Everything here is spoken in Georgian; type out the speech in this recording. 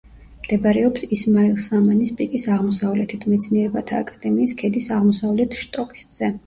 მდებარეობს ისმაილ სამანის პიკის აღმოსავლეთით, მეცნიერებათა აკადემიის ქედის აღმოსავლეთ შტოქედზე.